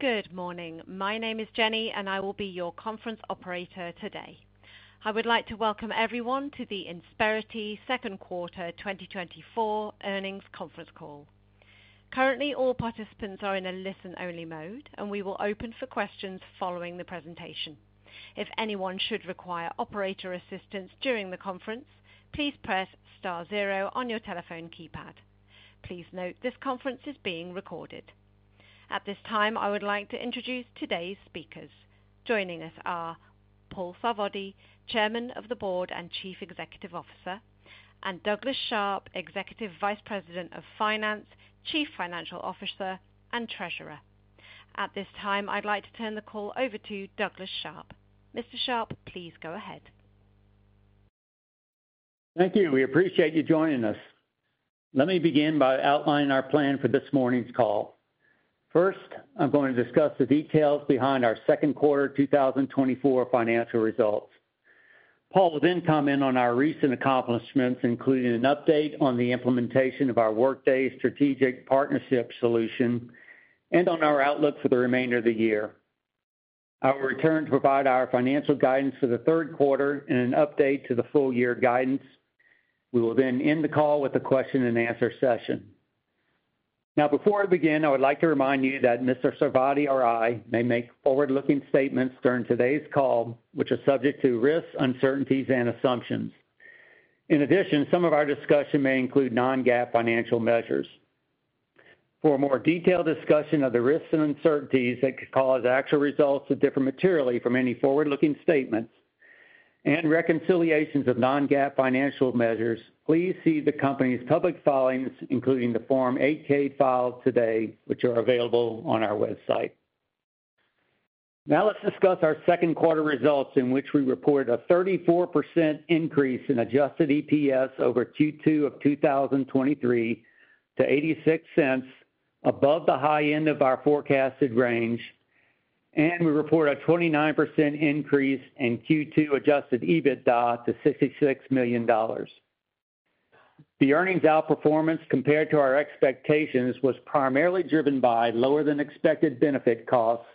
Good morning. My name is Jenny, and I will be your conference operator today. I would like to welcome everyone to the Insperity Second Quarter 2024 earnings conference call. Currently, all participants are in a listen-only mode, and we will open for questions following the presentation. If anyone should require operator assistance during the conference, please press star zero on your telephone keypad. Please note this conference is being recorded. At this time, I would like to introduce today's speakers. Joining us are Paul Sarvadi, Chairman of the Board and Chief Executive Officer, and Douglas Sharp, Executive Vice President of Finance, Chief Financial Officer, and Treasurer. At this time, I'd like to turn the call over to Douglas Sharp. Mr. Sharp, please go ahead. Thank you. We appreciate you joining us. Let me begin by outlining our plan for this morning's call. First, I'm going to discuss the details behind our second quarter 2024 financial results. Paul will then comment on our recent accomplishments, including an update on the implementation of our Workday strategic partnership solution and on our outlook for the remainder of the year. I will return to provide our financial guidance for the third quarter and an update to the full-year guidance. We will then end the call with a question-and-answer session. Now, before I begin, I would like to remind you that Mr. Sarvadi or I may make forward-looking statements during today's call, which are subject to risks, uncertainties, and assumptions. In addition, some of our discussion may include non-GAAP financial measures. For a more detailed discussion of the risks and uncertainties that could cause actual results that differ materially from any forward-looking statements and reconciliations of non-GAAP financial measures, please see the company's public filings, including the Form 8-K filed today, which are available on our website. Now, let's discuss our second quarter results, in which we report a 34% increase in adjusted EPS over Q2 of 2023 to $0.86, above the high end of our forecasted range. We report a 29% increase in Q2 adjusted EBITDA to $66 million. The earnings outperformance compared to our expectations was primarily driven by lower-than-expected benefit costs,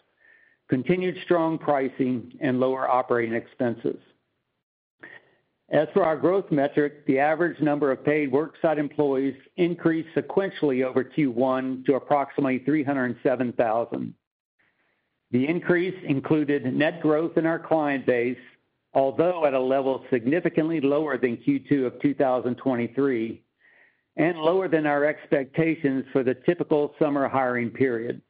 continued strong pricing, and lower operating expenses. As for our growth metric, the average number of paid worksite employees increased sequentially over Q1 to approximately 307,000. The increase included net growth in our client base, although at a level significantly lower than Q2 of 2023 and lower than our expectations for the typical summer hiring period.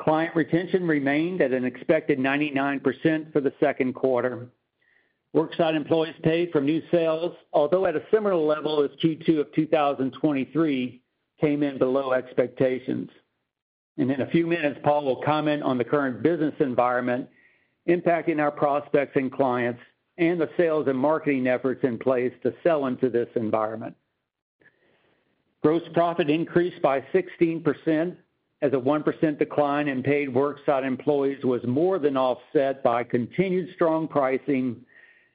Client retention remained at an expected 99% for the second quarter. Worksite employees paid from new sales, although at a similar level as Q2 of 2023, came in below expectations. In a few minutes, Paul will comment on the current business environment impacting our prospects and clients and the sales and marketing efforts in place to sell into this environment. Gross profit increased by 16%, as a 1% decline in paid worksite employees was more than offset by continued strong pricing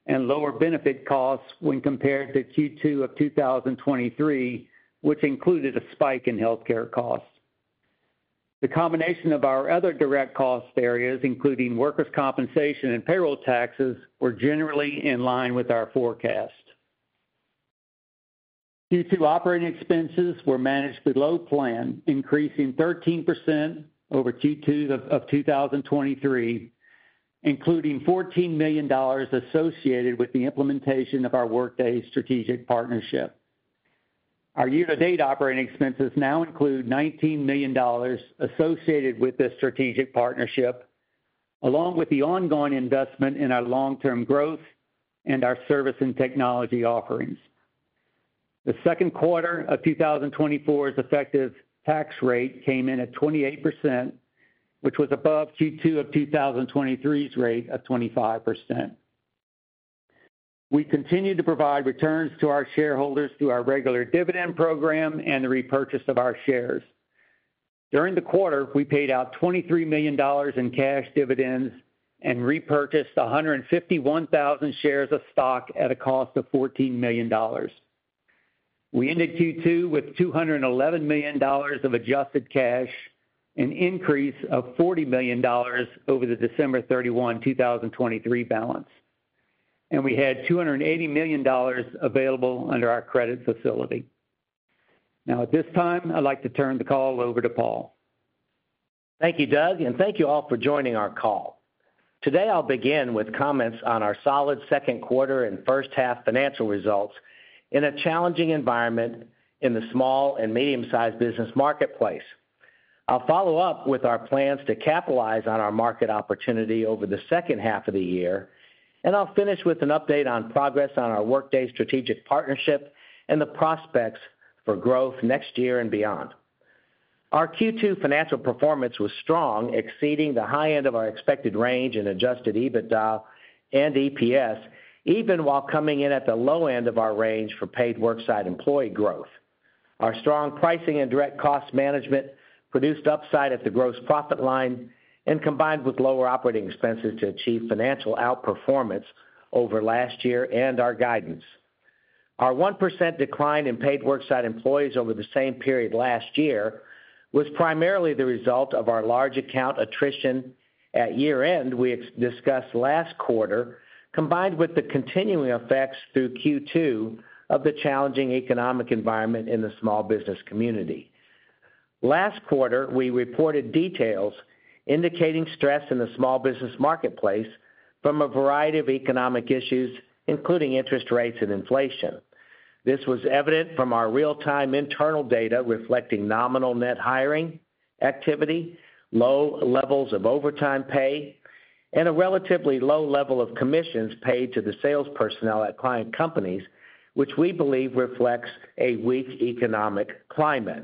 and lower benefit costs when compared to Q2 of 2023, which included a spike in healthcare costs. The combination of our other direct cost areas, including workers' compensation and payroll taxes, were generally in line with our forecast. Q2 operating expenses were managed below plan, increasing 13% over Q2 of 2023, including $14 million associated with the implementation of our Workday strategic partnership. Our year-to-date operating expenses now include $19 million associated with this strategic partnership, along with the ongoing investment in our long-term growth and our service and technology offerings. The second quarter of 2024's effective tax rate came in at 28%, which was above Q2 of 2023's rate of 25%. We continue to provide returns to our shareholders through our regular dividend program and the repurchase of our shares. During the quarter, we paid out $23 million in cash dividends and repurchased 151,000 shares of stock at a cost of $14 million. We ended Q2 with $211 million of adjusted cash, an increase of $40 million over the December 31, 2023, balance. We had $280 million available under our credit facility. Now, at this time, I'd like to turn the call over to Paul. Thank you, Doug, and thank you all for joining our call. Today, I'll begin with comments on our solid second quarter and first half financial results in a challenging environment in the small and medium-sized business marketplace. I'll follow up with our plans to capitalize on our market opportunity over the second half of the year, and I'll finish with an update on progress on our Workday strategic partnership and the prospects for growth next year and beyond. Our Q2 financial performance was strong, exceeding the high end of our expected range in Adjusted EBITDA and EPS, even while coming in at the low end of our range for paid worksite employee growth. Our strong pricing and direct cost management produced upside at the gross profit line and combined with lower operating expenses to achieve financial outperformance over last year and our guidance. Our 1% decline in paid worksite employees over the same period last year was primarily the result of our large account attrition at year-end, we discussed last quarter, combined with the continuing effects through Q2 of the challenging economic environment in the small business community. Last quarter, we reported details indicating stress in the small business marketplace from a variety of economic issues, including interest rates and inflation. This was evident from our real-time internal data reflecting nominal net hiring activity, low levels of overtime pay, and a relatively low level of commissions paid to the sales personnel at client companies, which we believe reflects a weak economic climate.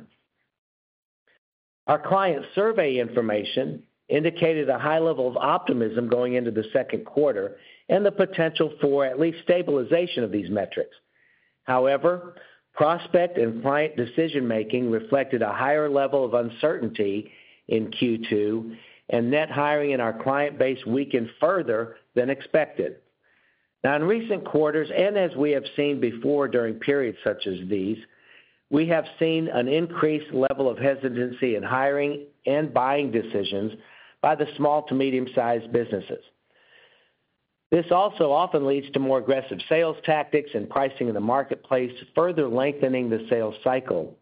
Our client survey information indicated a high level of optimism going into the second quarter and the potential for at least stabilization of these metrics. However, prospect and client decision-making reflected a higher level of uncertainty in Q2, and net hiring in our client base weakened further than expected. Now, in recent quarters, and as we have seen before during periods such as these, we have seen an increased level of hesitancy in hiring and buying decisions by the small to medium-sized businesses. This also often leads to more aggressive sales tactics and pricing in the marketplace, further lengthening the sales cycle.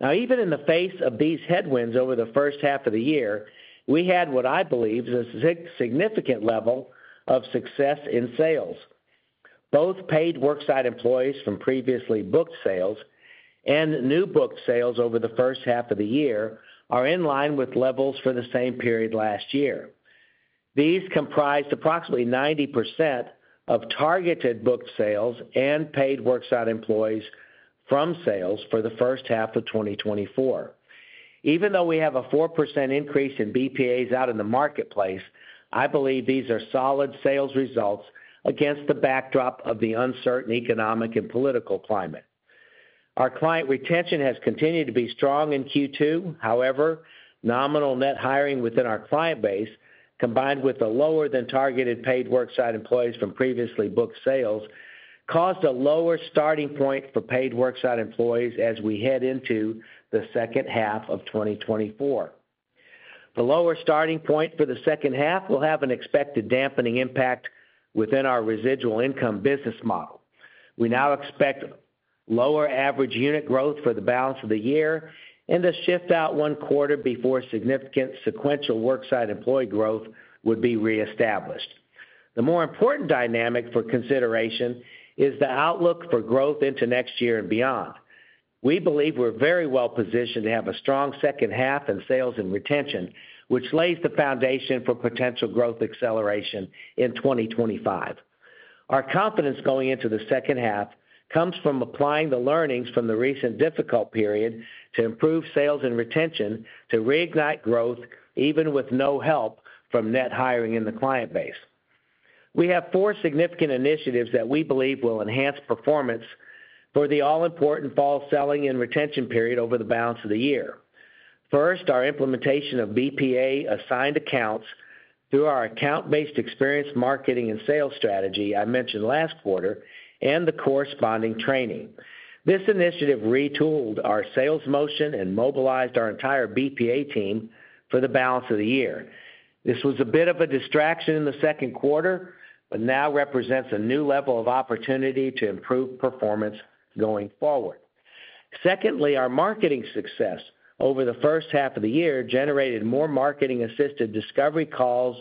Now, even in the face of these headwinds over the first half of the year, we had what I believe is a significant level of success in sales. Both paid worksite employees from previously booked sales and new booked sales over the first half of the year are in line with levels for the same period last year. These comprised approximately 90% of targeted booked sales and paid worksite employees from sales for the first half of 2024. Even though we have a 4% increase in BPAs out in the marketplace, I believe these are solid sales results against the backdrop of the uncertain economic and political climate. Our client retention has continued to be strong in Q2. However, nominal net hiring within our client base, combined with the lower-than-targeted paid worksite employees from previously booked sales, caused a lower starting point for paid worksite employees as we head into the second half of 2024. The lower starting point for the second half will have an expected dampening impact within our residual income business model. We now expect lower average unit growth for the balance of the year and a shift out one quarter before significant sequential worksite employee growth would be reestablished. The more important dynamic for consideration is the outlook for growth into next year and beyond. We believe we're very well positioned to have a strong second half in sales and retention, which lays the foundation for potential growth acceleration in 2025. Our confidence going into the second half comes from applying the learnings from the recent difficult period to improve sales and retention to reignite growth, even with no help from net hiring in the client base. We have four significant initiatives that we believe will enhance performance for the all-important fall selling and retention period over the balance of the year. First, our implementation of BPA assigned accounts through our account-based experience marketing and sales strategy I mentioned last quarter and the corresponding training. This initiative retooled our sales motion and mobilized our entire BPA team for the balance of the year. This was a bit of a distraction in the second quarter, but now represents a new level of opportunity to improve performance going forward. Secondly, our marketing success over the first half of the year generated more marketing-assisted discovery calls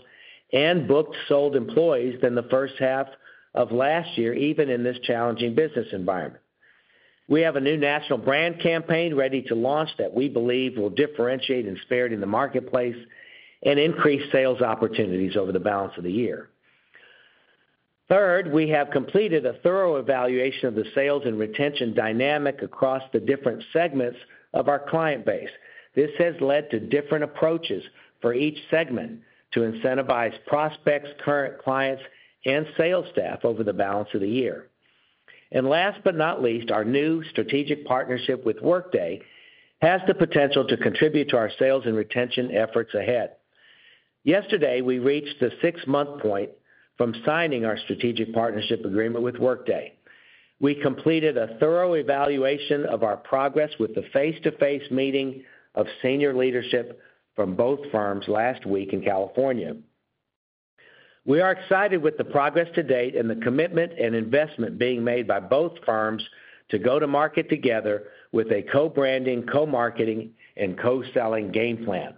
and booked sold employees than the first half of last year, even in this challenging business environment. We have a new national brand campaign ready to launch that we believe will differentiate Insperity in the marketplace and increase sales opportunities over the balance of the year. Third, we have completed a thorough evaluation of the sales and retention dynamic across the different segments of our client base. This has led to different approaches for each segment to incentivize prospects, current clients, and sales staff over the balance of the year. Last but not least, our new strategic partnership with Workday has the potential to contribute to our sales and retention efforts ahead. Yesterday, we reached the six-month point from signing our strategic partnership agreement with Workday. We completed a thorough evaluation of our progress with the face-to-face meeting of senior leadership from both firms last week in California. We are excited with the progress to date and the commitment and investment being made by both firms to go to market together with a co-branding, co-marketing, and co-selling game plan.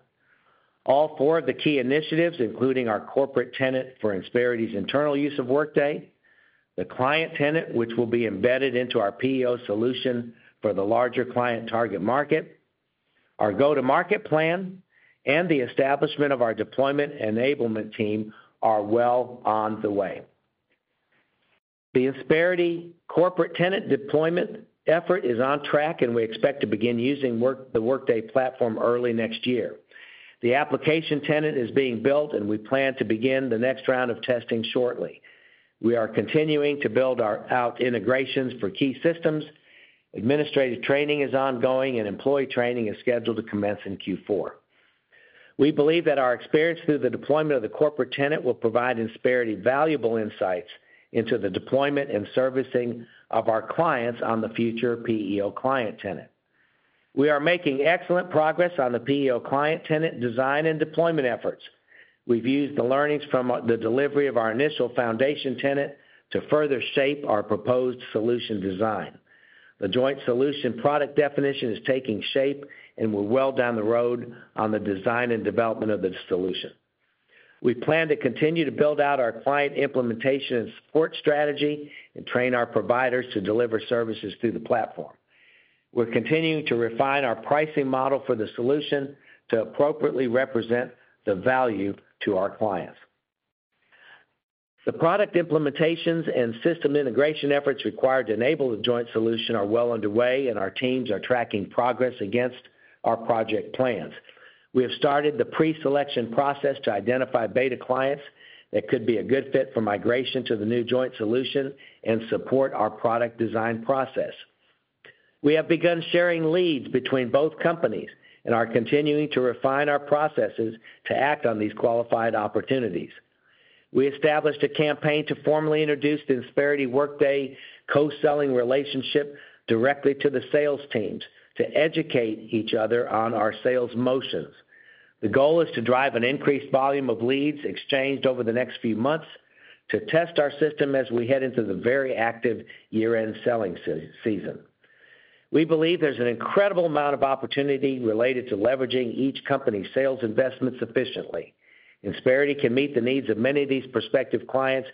All four of the key initiatives, including our corporate tenant for Insperity's internal use of Workday, the client tenant, which will be embedded into our PEO solution for the larger client target market, our go-to-market plan, and the establishment of our deployment enablement team are well on the way. The Insperity corporate tenant deployment effort is on track, and we expect to begin using the Workday platform early next year. The application tenant is being built, and we plan to begin the next round of testing shortly. We are continuing to build out our integrations for key systems. Administrative training is ongoing, and employee training is scheduled to commence in Q4. We believe that our experience through the deployment of the corporate tenant will provide Insperity valuable insights into the deployment and servicing of our clients on the future PEO client tenant. We are making excellent progress on the PEO client tenant design and deployment efforts. We've used the learnings from the delivery of our initial foundation tenant to further shape our proposed solution design. The joint solution product definition is taking shape, and we're well down the road on the design and development of the solution. We plan to continue to build out our client implementation and support strategy and train our providers to deliver services through the platform. We're continuing to refine our pricing model for the solution to appropriately represent the value to our clients. The product implementations and system integration efforts required to enable the joint solution are well underway, and our teams are tracking progress against our project plans. We have started the pre-selection process to identify beta clients that could be a good fit for migration to the new joint solution and support our product design process. We have begun sharing leads between both companies and are continuing to refine our processes to act on these qualified opportunities. We established a campaign to formally introduce the Insperity Workday co-selling relationship directly to the sales teams to educate each other on our sales motions. The goal is to drive an increased volume of leads exchanged over the next few months to test our system as we head into the very active year-end selling season. We believe there's an incredible amount of opportunity related to leveraging each company's sales investments efficiently. Insperity can meet the needs of many of these prospective clients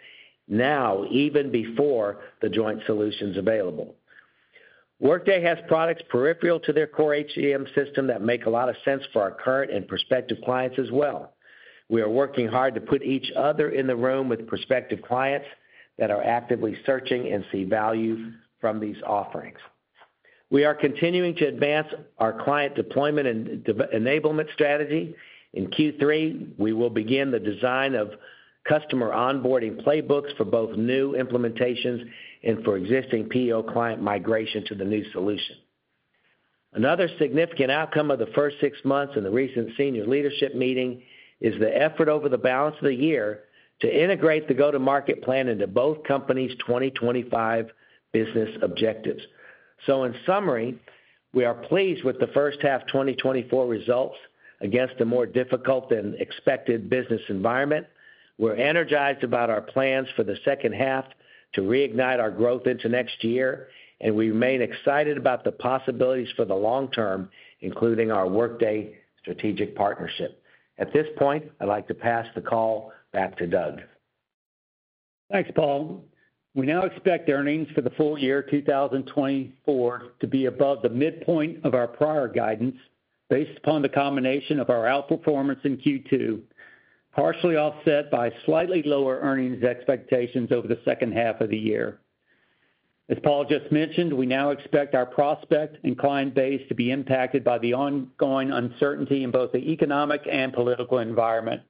now, even before the joint solution's available. Workday has products peripheral to their core HCM system that make a lot of sense for our current and prospective clients as well. We are working hard to put each other in the room with prospective clients that are actively searching and see value from these offerings. We are continuing to advance our client deployment and enablement strategy. In Q3, we will begin the design of customer onboarding playbooks for both new implementations and for existing PEO client migration to the new solution. Another significant outcome of the first six months in the recent senior leadership meeting is the effort over the balance of the year to integrate the go-to-market plan into both companies' 2025 business objectives. So, in summary, we are pleased with the first half 2024 results against a more difficult than expected business environment. We're energized about our plans for the second half to reignite our growth into next year, and we remain excited about the possibilities for the long term, including our Workday strategic partnership. At this point, I'd like to pass the call back to Doug. Thanks, Paul. We now expect earnings for the full year 2024 to be above the midpoint of our prior guidance based upon the combination of our outperformance in Q2, partially offset by slightly lower earnings expectations over the second half of the year. As Paul just mentioned, we now expect our prospect and client base to be impacted by the ongoing uncertainty in both the economic and political environment.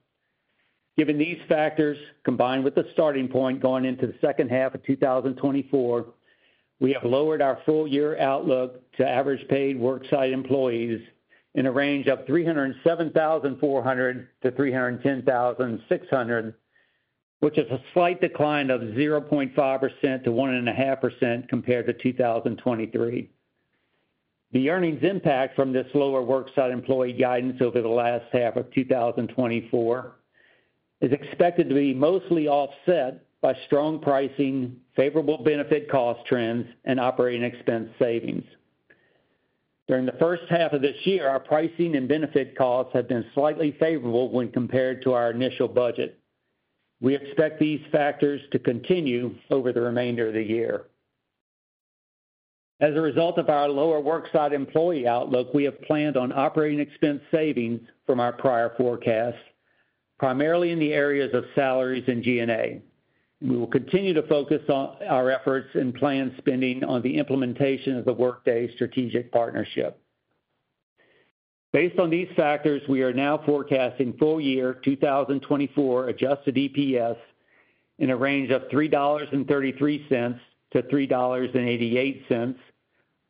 Given these factors, combined with the starting point going into the second half of 2024, we have lowered our full year outlook to average paid worksite employees in a range of 307,400-310,600, which is a slight decline of 0.5%-1.5% compared to 2023. The earnings impact from this lower worksite employee guidance over the last half of 2024 is expected to be mostly offset by strong pricing, favorable benefit cost trends, and operating expense savings. During the first half of this year, our pricing and benefit costs have been slightly favorable when compared to our initial budget. We expect these factors to continue over the remainder of the year. As a result of our lower worksite employee outlook, we have planned on operating expense savings from our prior forecasts, primarily in the areas of salaries and G&A. We will continue to focus on our efforts and plan spending on the implementation of the Workday strategic partnership. Based on these factors, we are now forecasting full year 2024 Adjusted EPS in a range of $3.33-$3.88,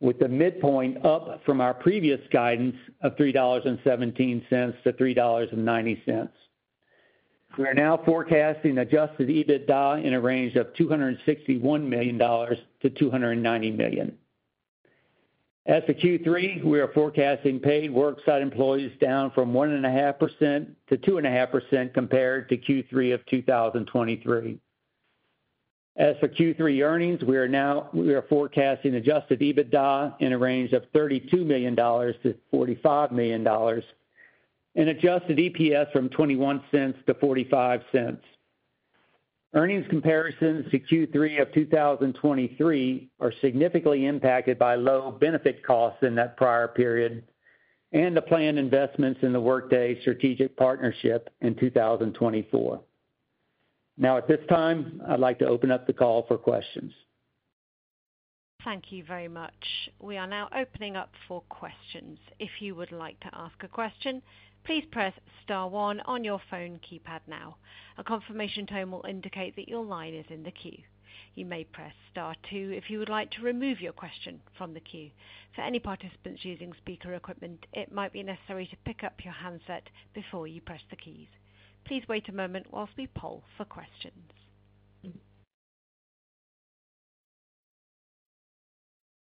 with the midpoint up from our previous guidance of $3.17-$3.90. We are now forecasting Adjusted EBITDA in a range of $261 million-$290 million. As for Q3, we are forecasting paid worksite employees down from 1.5%-2.5% compared to Q3 of 2023. As for Q3 earnings, we are now forecasting Adjusted EBITDA in a range of $32 million-$45 million and Adjusted EPS from $0.21-$0.45. Earnings comparisons to Q3 of 2023 are significantly impacted by low benefit costs in that prior period and the planned investments in the Workday strategic partnership in 2024. Now, at this time, I'd like to open up the call for questions. Thank you very much. We are now opening up for questions. If you would like to ask a question, please press star one on your phone keypad now. A confirmation tone will indicate that your line is in the queue. You may press star two if you would like to remove your question from the queue. For any participants using speaker equipment, it might be necessary to pick up your handset before you press the keys. Please wait a moment while we poll for questions.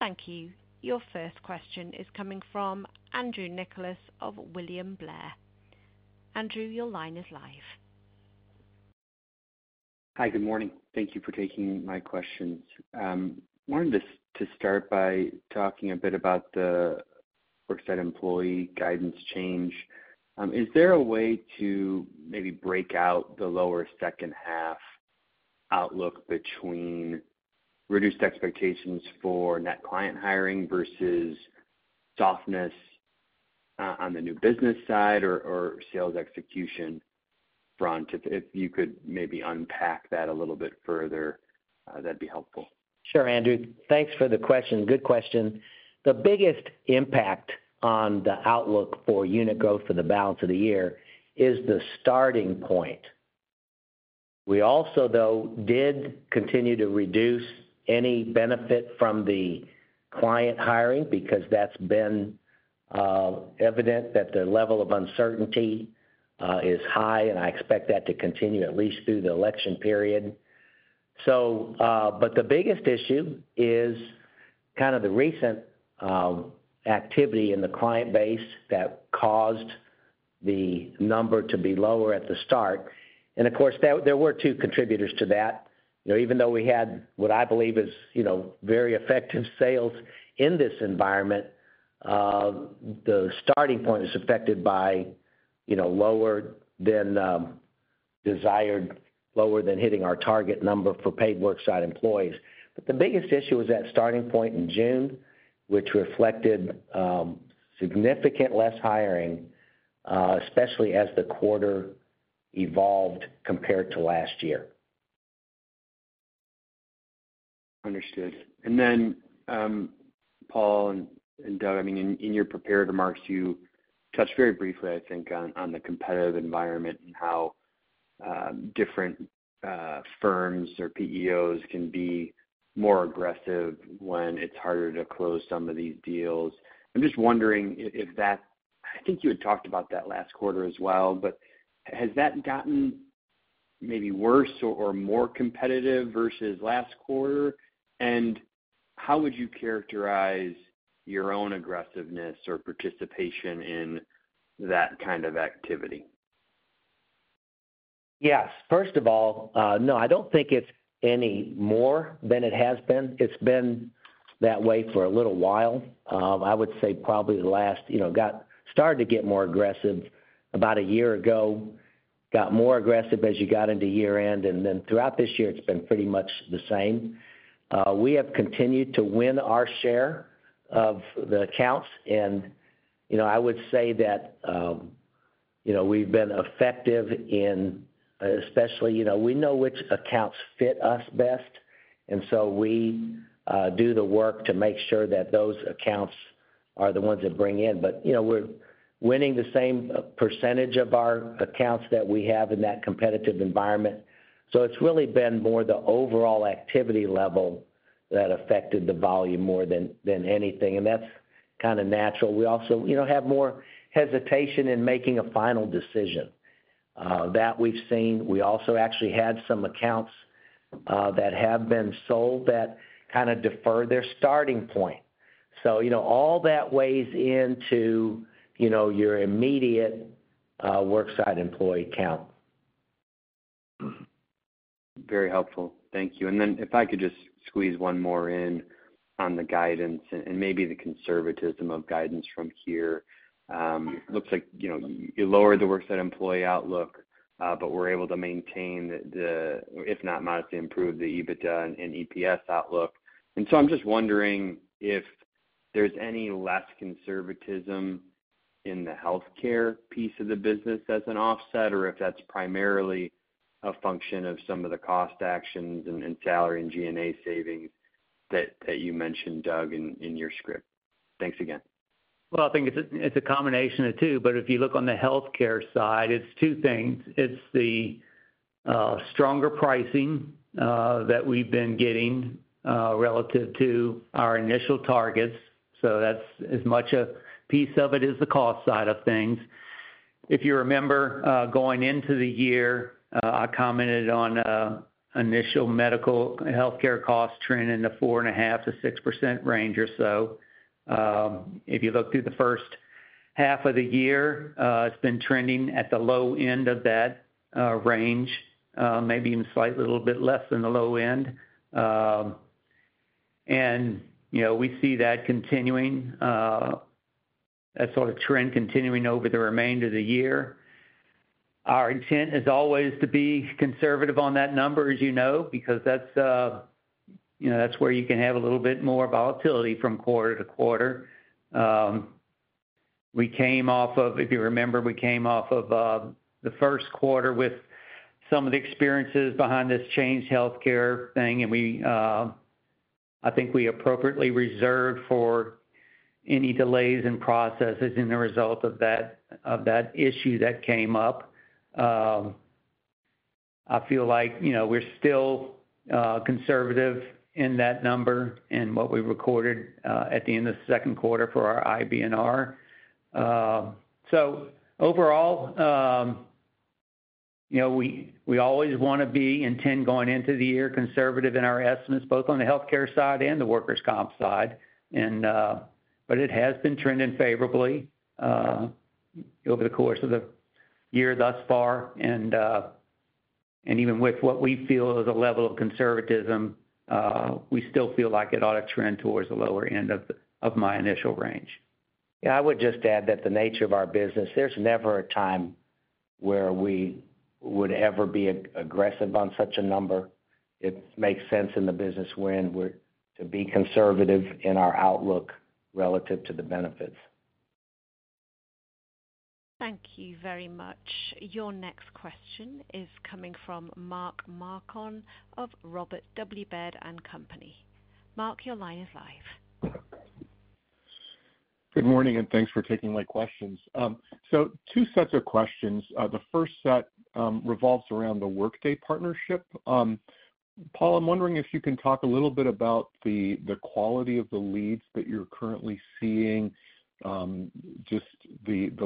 Thank you. Your first question is coming from Andrew Nicholas of William Blair. Andrew, your line is live. Hi, good morning. Thank you for taking my questions. I wanted to start by talking a bit about the worksite employee guidance change. Is there a way to maybe break out the lower second half outlook between reduced expectations for net client hiring versus softness on the new business side or sales execution front? If you could maybe unpack that a little bit further, that'd be helpful. Sure, Andrew. Thanks for the question. Good question. The biggest impact on the outlook for unit growth for the balance of the year is the starting point. We also, though, did continue to reduce any benefit from the client hiring because that's been evident that the level of uncertainty is high, and I expect that to continue at least through the election period. But the biggest issue is kind of the recent activity in the client base that caused the number to be lower at the start. And of course, there were two contributors to that. Even though we had what I believe is very effective sales in this environment, the starting point is affected by lower than desired, lower than hitting our target number for paid worksite employees. But the biggest issue was that starting point in June, which reflected significant less hiring, especially as the quarter evolved compared to last year. Understood. And then, Paul and Doug, I mean, in your prepared remarks, you touched very briefly, I think, on the competitive environment and how different firms or PEOs can be more aggressive when it's harder to close some of these deals. I'm just wondering if that - I think you had talked about that last quarter as well - but has that gotten maybe worse or more competitive versus last quarter? And how would you characterize your own aggressiveness or participation in that kind of activity? Yes. First of all, no, I don't think it's any more than it has been. It's been that way for a little while. I would say probably got started to get more aggressive about a year ago, got more aggressive as you got into year-end, and then throughout this year, it's been pretty much the same. We have continued to win our share of the accounts, and I would say that we've been effective in especially, we know which accounts fit us best, and so we do the work to make sure that those accounts are the ones that bring in. But we're winning the same percentage of our accounts that we have in that competitive environment. So it's really been more the overall activity level that affected the volume more than anything, and that's kind of natural. We also have more hesitation in making a final decision. That we've seen. We also actually had some accounts that have been sold that kind of defer their starting point. So all that weighs into your immediate worksite employee count. Very helpful. Thank you. And then if I could just squeeze one more in on the guidance and maybe the conservatism of guidance from here. It looks like you lowered the worksite employee outlook, but we're able to maintain the, if not modestly improve, the EBITDA and EPS outlook. And so I'm just wondering if there's any less conservatism in the healthcare piece of the business as an offset, or if that's primarily a function of some of the cost actions and salary and G&A savings that you mentioned, Doug, in your script. Thanks again. Well, I think it's a combination of two, but if you look on the healthcare side, it's two things. It's the stronger pricing that we've been getting relative to our initial targets. So that's as much a piece of it as the cost side of things. If you remember going into the year, I commented on initial medical healthcare cost trend in the 4.5%-6% range or so. If you look through the first half of the year, it's been trending at the low end of that range, maybe even slightly a little bit less than the low end. And we see that continuing, that sort of trend continuing over the remainder of the year. Our intent is always to be conservative on that number, as you know, because that's where you can have a little bit more volatility from quarter to quarter. We came off of, if you remember, we came off of the first quarter with some of the experiences behind this Change Healthcare thing, and I think we appropriately reserved for any delays in processes in the result of that issue that came up. I feel like we're still conservative in that number and what we recorded at the end of the second quarter for our IBNR. So overall, we always want to be intent going into the year conservative in our estimates, both on the healthcare side and the workers' comp side. But it has been trending favorably over the course of the year thus far, and even with what we feel is a level of conservatism, we still feel like it ought to trend towards the lower end of my initial range. Yeah, I would just add that the nature of our business, there's never a time where we would ever be aggressive on such a number. It makes sense in the business winds to be conservative in our outlook relative to the benefits. Thank you very much. Your next question is coming from Mark Marcon of Robert W. Baird & Co. Mark, your line is live. Good morning, and thanks for taking my questions. So two sets of questions. The first set revolves around the Workday partnership. Paul, I'm wondering if you can talk a little bit about the quality of the leads that you're currently seeing, just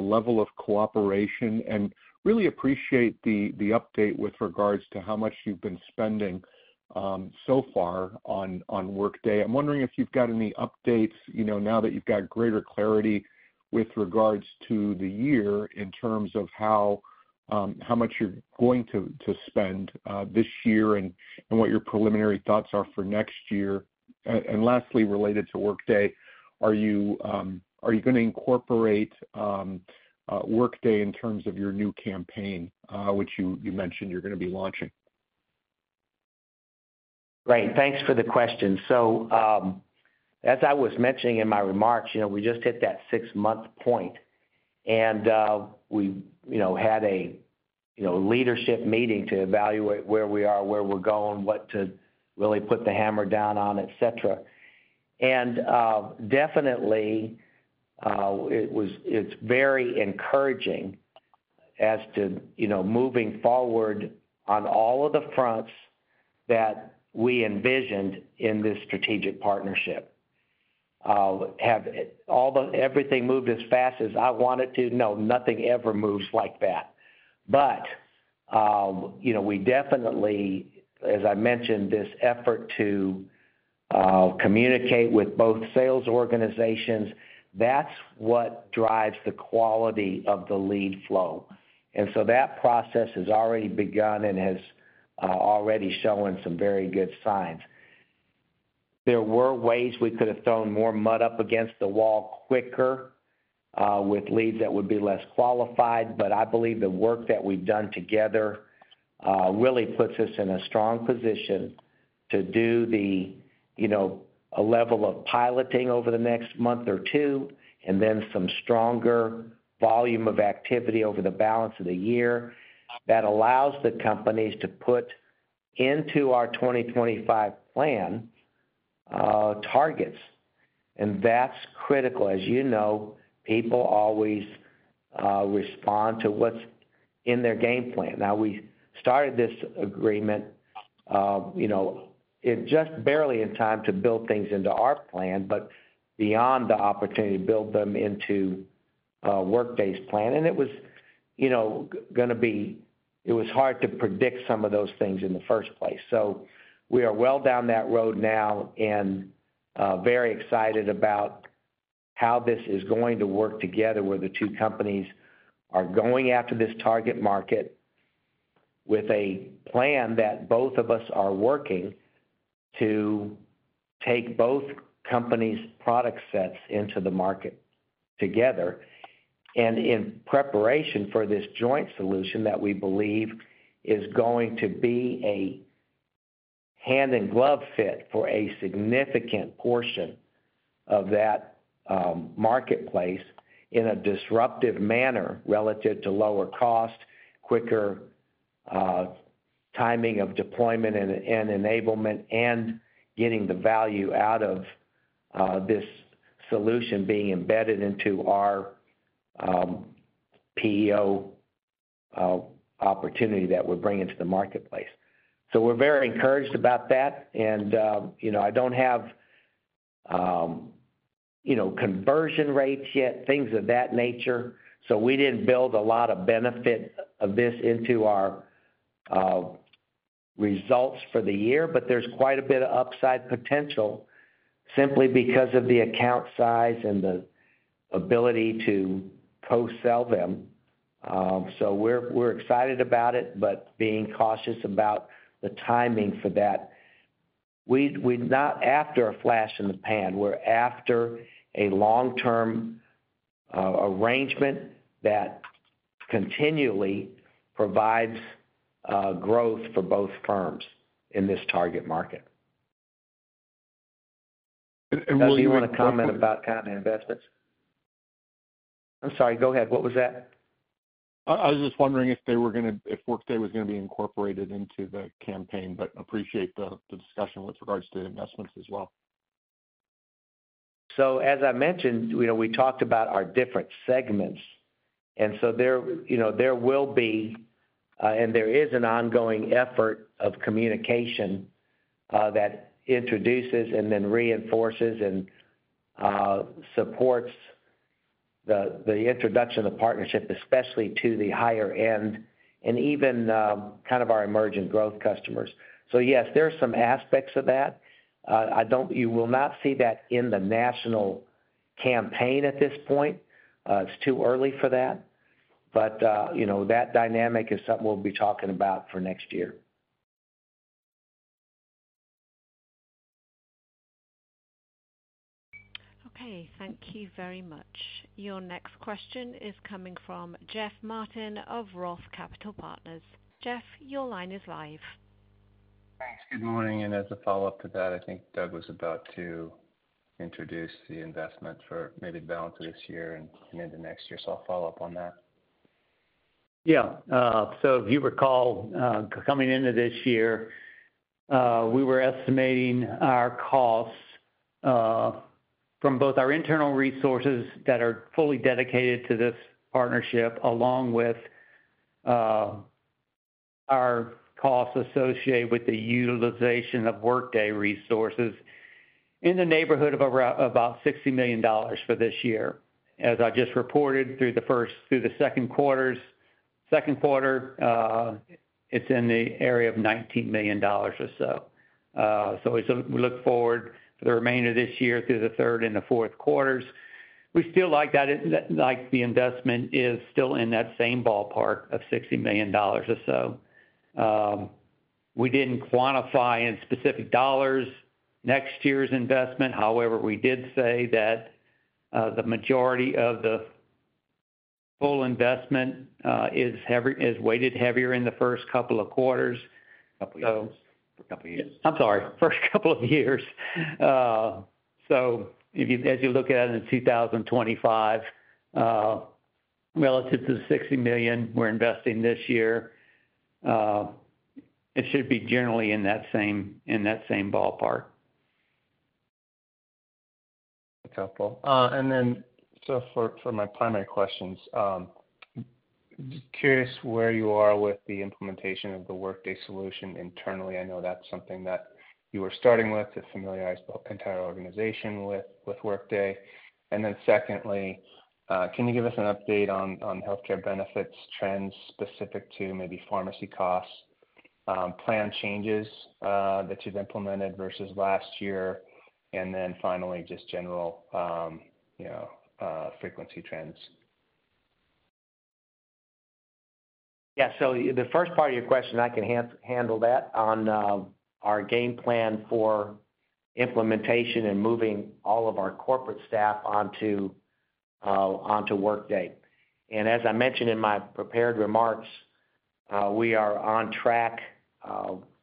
the level of cooperation, and really appreciate the update with regards to how much you've been spending so far on Workday. I'm wondering if you've got any updates now that you've got greater clarity with regards to the year in terms of how much you're going to spend this year and what your preliminary thoughts are for next year. And lastly, related to Workday, are you going to incorporate Workday in terms of your new campaign, which you mentioned you're going to be launching? Great. Thanks for the question. So as I was mentioning in my remarks, we just hit that six-month point, and we had a leadership meeting to evaluate where we are, where we're going, what to really put the hammer down on, etc. And definitely, it's very encouraging as to moving forward on all of the fronts that we envisioned in this strategic partnership. Everything moved as fast as I want it to. No, nothing ever moves like that. But we definitely, as I mentioned, this effort to communicate with both sales organizations, that's what drives the quality of the lead flow. And so that process has already begun and has already shown some very good signs. There were ways we could have thrown more mud up against the wall quicker with leads that would be less qualified, but I believe the work that we've done together really puts us in a strong position to do a level of piloting over the next month or two, and then some stronger volume of activity over the balance of the year that allows the companies to put into our 2025 plan targets. And that's critical. As you know, people always respond to what's in their game plan. Now, we started this agreement just barely in time to build things into our plan, but beyond the opportunity to build them into Workday's plan. And it was going to be—it was hard to predict some of those things in the first place. So we are well down that road now and very excited about how this is going to work together where the two companies are going after this target market with a plan that both of us are working to take both companies' product sets into the market together. And in preparation for this joint solution that we believe is going to be a hand-in-glove fit for a significant portion of that marketplace in a disruptive manner relative to lower cost, quicker timing of deployment and enablement, and getting the value out of this solution being embedded into our PEO opportunity that we're bringing to the marketplace. So we're very encouraged about that. And I don't have conversion rates yet, things of that nature. So we didn't build a lot of benefit of this into our results for the year, but there's quite a bit of upside potential simply because of the account size and the ability to co-sell them. So we're excited about it, but being cautious about the timing for that. We're not after a flash in the pan. We're after a long-term arrangement that continually provides growth for both firms in this target market. And will you? Do you want to comment about kind of investments? I'm sorry. Go ahead. What was that? I was just wondering if Workday was going to be incorporated into the campaign, but appreciate the discussion with regards to investments as well. So as I mentioned, we talked about our different segments. And so there will be, and there is an ongoing effort of communication that introduces and then reinforces and supports the introduction of partnership, especially to the higher end and even kind of our emerging growth customers. So yes, there are some aspects of that. You will not see that in the national campaign at this point. It's too early for that. But that dynamic is something we'll be talking about for next year. Okay. Thank you very much. Your next question is coming from Jeff Martin of Roth Capital Partners. Jeff, your line is live. Thanks. Good morning. As a follow-up to that, I think Doug was about to introduce the investment for maybe the balance of this year and into next year. I'll follow up on that. Yeah. So if you recall, coming into this year, we were estimating our costs from both our internal resources that are fully dedicated to this partnership, along with our costs associated with the utilization of Workday resources in the neighborhood of about $60 million for this year. As I just reported through the second quarter, it's in the area of $19 million or so. So we look forward for the remainder of this year through the third and the fourth quarters. We still like that the investment is still in that same ballpark of $60 million or so. We didn't quantify in specific dollars next year's investment. However, we did say that the majority of the full investment is weighted heavier in the first couple of quarters. Couple years. I'm sorry. First couple of years. So as you look at it in 2025, relative to the $60 million we're investing this year, it should be generally in that same ballpark. That's helpful. And then so for my primary questions, curious where you are with the implementation of the Workday solution internally. I know that's something that you were starting with to familiarize the entire organization with Workday. And then secondly, can you give us an update on healthcare benefits trends specific to maybe pharmacy costs, plan changes that you've implemented versus last year, and then finally, just general frequency trends? Yeah. So the first part of your question, I can handle that on our game plan for implementation and moving all of our corporate staff onto Workday. And as I mentioned in my prepared remarks, we are on track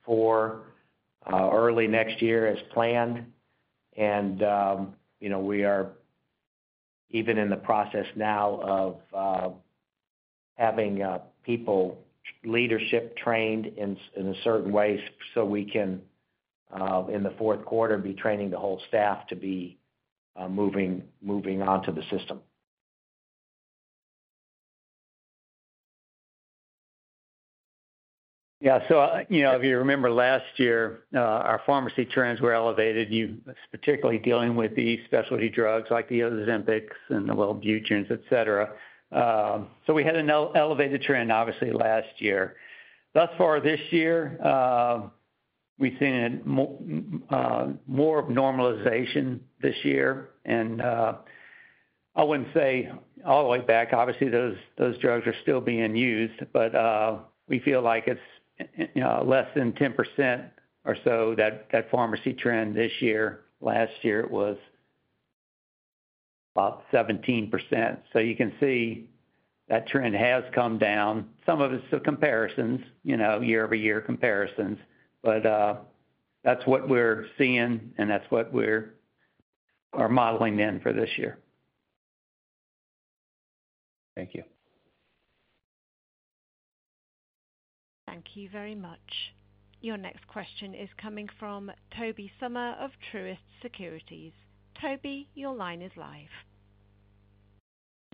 for early next year as planned. And we are even in the process now of having leadership trained in a certain way so we can, in the fourth quarter, be training the whole staff to be moving on to the system. Yeah. So if you remember last year, our pharmacy trends were elevated, particularly dealing with these specialty drugs like the Ozempics and the Wellbutrins, etc. So we had an elevated trend, obviously, last year. Thus far, this year, we've seen more of normalization this year. And I wouldn't say all the way back. Obviously, those drugs are still being used, but we feel like it's less than 10% or so that pharmacy trend this year. Last year, it was about 17%. So you can see that trend has come down. Some of it's comparisons, year-over-year comparisons. But that's what we're seeing, and that's what we're modeling in for this year. Thank you. Thank you very much. Your next question is coming from Tobey Sommer of Truist Securities. Toby, your line is live.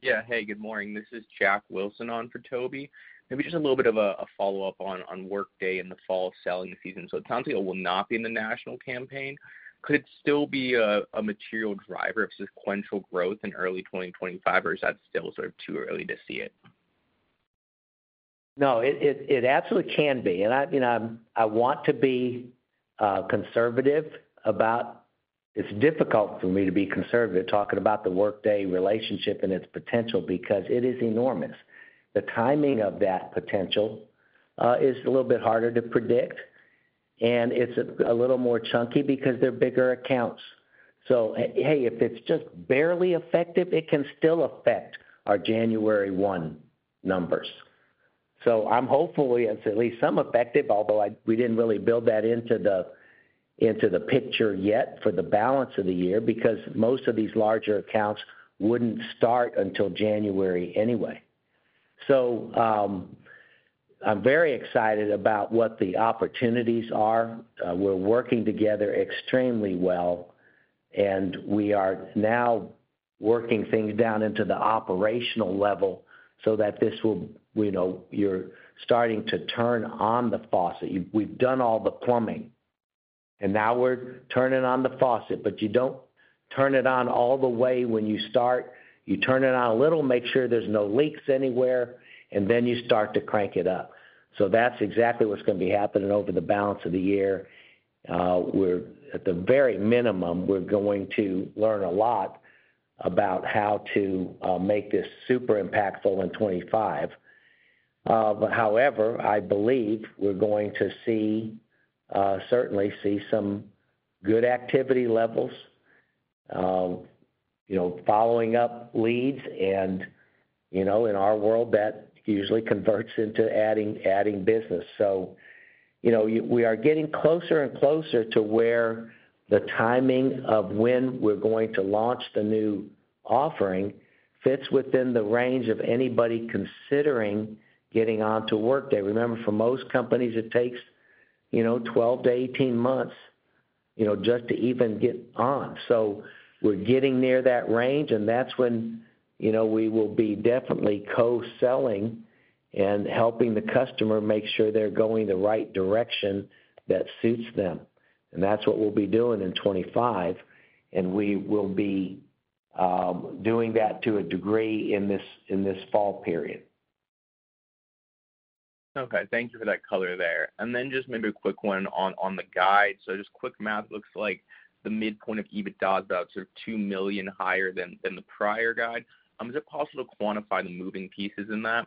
Yeah. Hey, good morning. This is Jack Wilson on for Tobey. Maybe just a little bit of a follow-up on Workday in the fall selling season. So it sounds like it will not be in the national campaign. Could it still be a material driver of sequential growth in early 2025, or is that still sort of too early to see it? No, it absolutely can be. And I want to be conservative about. It's difficult for me to be conservative talking about the Workday relationship and its potential because it is enormous. The timing of that potential is a little bit harder to predict, and it's a little more chunky because they're bigger accounts. So hey, if it's just barely effective, it can still affect our January 1 numbers. So I'm hopeful it's at least some effective, although we didn't really build that into the picture yet for the balance of the year because most of these larger accounts wouldn't start until January anyway. So I'm very excited about what the opportunities are. We're working together extremely well, and we are now working things down into the operational level so that this will. You're starting to turn on the faucet. We've done all the plumbing, and now we're turning on the faucet, but you don't turn it on all the way when you start. You turn it on a little, make sure there's no leaks anywhere, and then you start to crank it up. So that's exactly what's going to be happening over the balance of the year. At the very minimum, we're going to learn a lot about how to make this super impactful in 2025. However, I believe we're going to certainly see some good activity levels following up leads. And in our world, that usually converts into adding business. So we are getting closer and closer to where the timing of when we're going to launch the new offering fits within the range of anybody considering getting onto Workday. Remember, for most companies, it takes 12-18 months just to even get on. We're getting near that range, and that's when we will be definitely co-selling and helping the customer make sure they're going the right direction that suits them. That's what we'll be doing in 2025, and we will be doing that to a degree in this fall period. Okay. Thank you for that color there. And then just maybe a quick one on the guide. So just quick math looks like the midpoint of EBITDA is about sort of $2 million higher than the prior guide. Is it possible to quantify the moving pieces in that?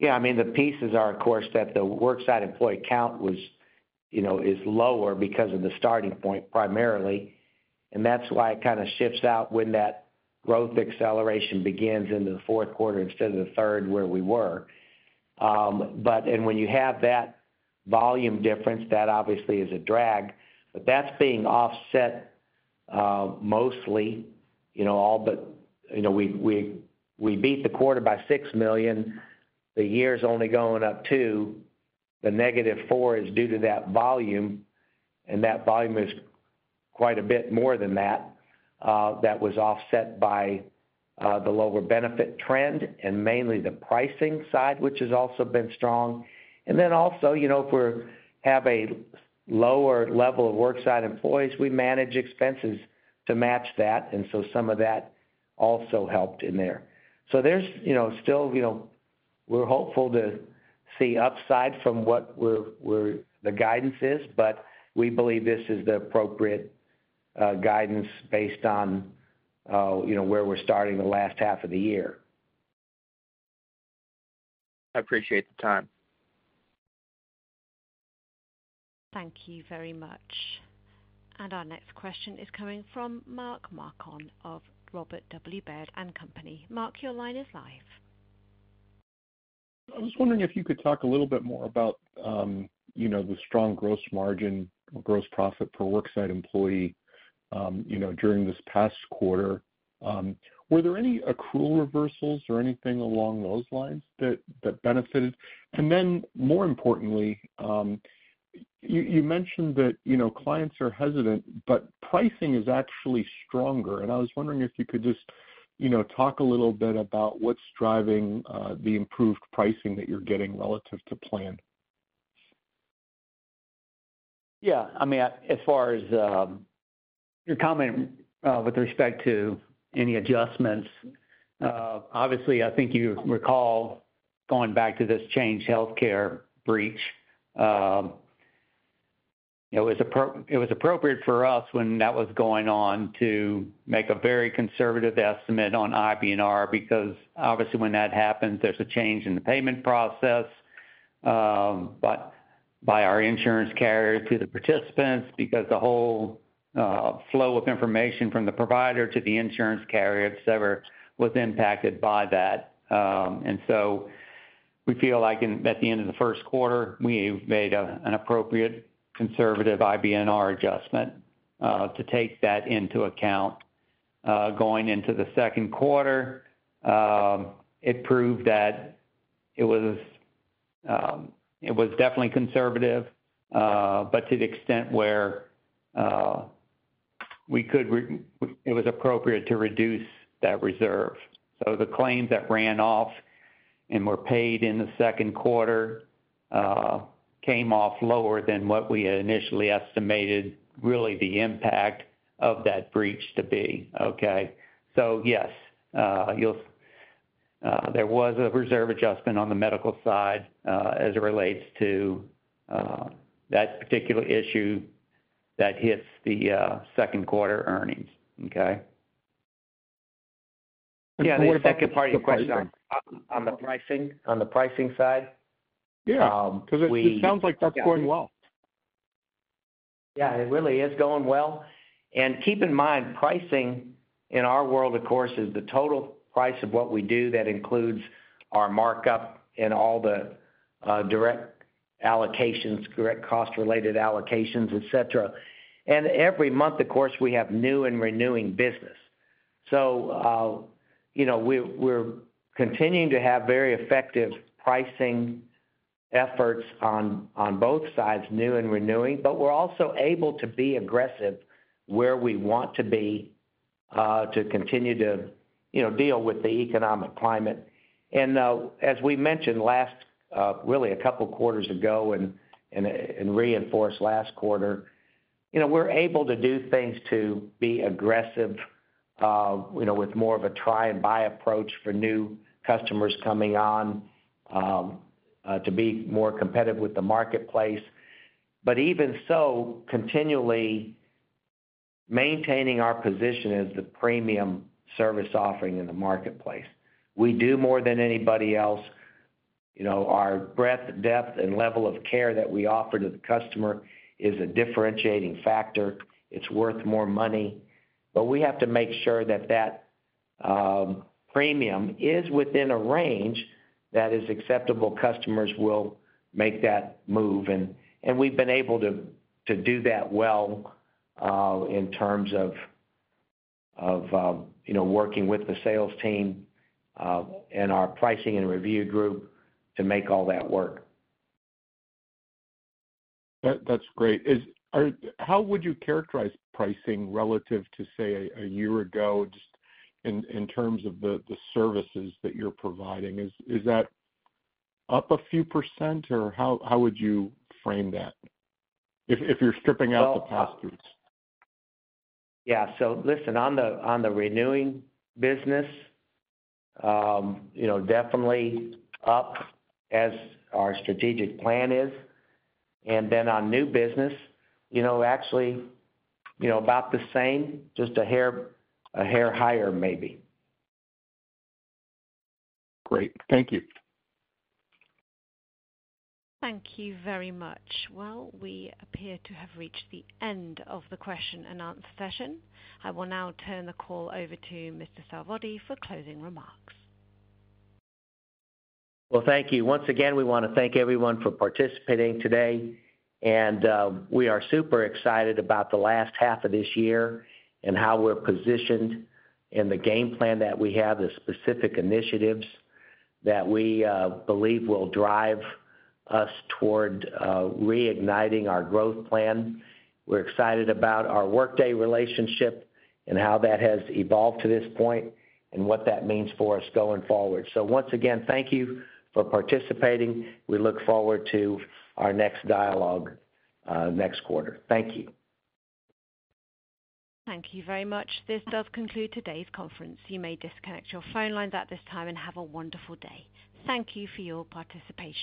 Yeah. I mean, the pieces are, of course, that the worksite employee count is lower because of the starting point primarily. That's why it kind of shifts out when that growth acceleration begins into the fourth quarter instead of the third where we were. When you have that volume difference, that obviously is a drag. But that's being offset mostly. We beat the quarter by $6 million. The year's only going up $2 million. The negative $4 million is due to that volume, and that volume is quite a bit more than that. That was offset by the lower benefit trend and mainly the pricing side, which has also been strong. Then also, if we have a lower level of worksite employees, we manage expenses to match that. So some of that also helped in there. There's still, we're hopeful to see upside from what the guidance is, but we believe this is the appropriate guidance based on where we're starting the last half of the year. I appreciate the time. Thank you very much. Our next question is coming from Mark Marcon of Robert W. Baird & Company. Mark, your line is live. I was wondering if you could talk a little bit more about the strong gross margin or gross profit for worksites employee during this past quarter? Were there any accrual reversals or anything along those lines that benefited? And then more importantly, you mentioned that clients are hesitant, but pricing is actually stronger. And I was wondering if you could just talk a little bit about what's driving the improved pricing that you're getting relative to plan? Yeah. I mean, as far as your comment with respect to any adjustments, obviously, I think you recall going back to this Change Healthcare breach. It was appropriate for us when that was going on to make a very conservative estimate on IBNR because obviously when that happens, there's a change in the payment process by our insurance carrier to the participants because the whole flow of information from the provider to the insurance carrier, etc., was impacted by that. And so we feel like at the end of the first quarter, we made an appropriate conservative IBNR adjustment to take that into account. Going into the second quarter, it proved that it was definitely conservative, but to the extent where it was appropriate to reduce that reserve. So the claims that ran off and were paid in the second quarter came off lower than what we initially estimated really the impact of that breach to be. Okay. So yes, there was a reserve adjustment on the medical side as it relates to that particular issue that hits the second quarter earnings. Okay. Yeah. The second part of your question on the pricing side? Yeah. Because it sounds like that's going well. Yeah. It really is going well. And keep in mind, pricing in our world, of course, is the total price of what we do that includes our markup and all the direct allocations, direct cost-related allocations, etc. And every month, of course, we have new and renewing business. So we're continuing to have very effective pricing efforts on both sides, new and renewing. But we're also able to be aggressive where we want to be to continue to deal with the economic climate. And as we mentioned really a couple of quarters ago and reinforced last quarter, we're able to do things to be aggressive with more of a try-and-buy approach for new customers coming on to be more competitive with the marketplace. But even so, continually maintaining our position as the premium service offering in the marketplace. We do more than anybody else. Our breadth, depth, and level of care that we offer to the customer is a differentiating factor. It's worth more money. But we have to make sure that that premium is within a range that is acceptable. Customers will make that move. And we've been able to do that well in terms of working with the sales team and our pricing and review group to make all that work. That's great. How would you characterize pricing relative to, say, a year ago just in terms of the services that you're providing? Is that up a few precent, or how would you frame that if you're stripping out the past years? Yeah. So listen, on the renewing business, definitely up as our strategic plan is. And then on new business, actually about the same, just a hair higher maybe. Great. Thank you. Thank you very much. Well, we appear to have reached the end of the question and answer session. I will now turn the call over to Mr. Sarvadi for closing remarks. Well, thank you. Once again, we want to thank everyone for participating today. We are super excited about the last half of this year and how we're positioned in the game plan that we have, the specific initiatives that we believe will drive us toward reigniting our growth plan. We're excited about our Workday relationship and how that has evolved to this point and what that means for us going forward. Once again, thank you for participating. We look forward to our next dialogue next quarter. Thank you. Thank you very much. This does conclude today's conference. You may disconnect your phone lines at this time and have a wonderful day. Thank you for your participation.